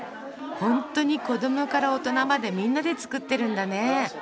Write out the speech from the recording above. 本当に子どもから大人までみんなで作ってるんだね。